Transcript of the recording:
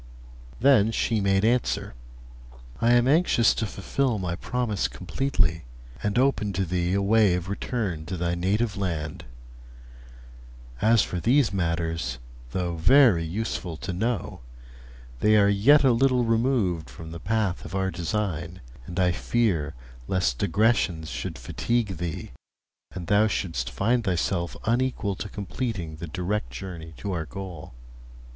Then she made answer: 'I am anxious to fulfil my promise completely, and open to thee a way of return to thy native land. As for these matters, though very useful to know, they are yet a little removed from the path of our design, and I fear lest digressions should fatigue thee, and thou shouldst find thyself unequal to completing the direct journey to our goal.'